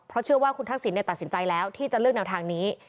เพราะเชื่อว่าคุณทักษิณตัดสินใจแล้วที่จะเลือกแนวทางนี้